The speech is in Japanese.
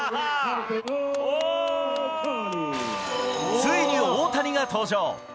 ついに大谷が登場。